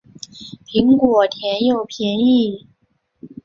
苹果甜又便宜